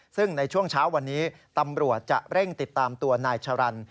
ซึ่งในช่วงเช้าวันนี้ตำรวจจะเร่งติดตามตัวนายชะรัน